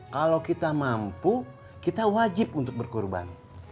kalau kita mampu kita wajib untuk berkurban